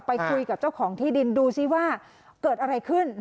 ไปคุยกับเจ้าของที่ดินดูซิว่าเกิดอะไรขึ้น